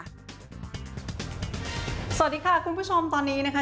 สวัสดีค่ะคุณผู้ชมตอนนี้นะคะ